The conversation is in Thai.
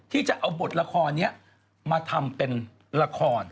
ที่จะเอาบทละครนี้มาทำเป็นละคร